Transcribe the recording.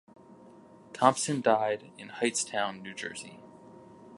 Thompson died in Hightstown, New Jersey.